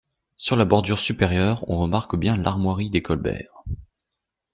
Sur la bordure supérieure, on remarque bien l'armoirie des Colbert.